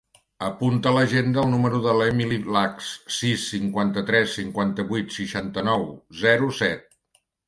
Apunta a l'agenda el número de l'Emily Lax: sis, cinquanta-tres, cinquanta-vuit, seixanta-nou, zero, set.